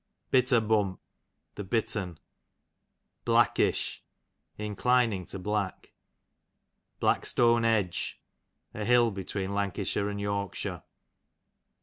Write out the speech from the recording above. Bitter bump, the bittern. Blackish, inclining to black. Blackstone edge, a hill between Lancashire and Yorkshire.